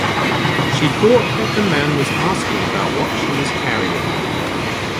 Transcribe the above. She thought that the man was asking about what she was carrying.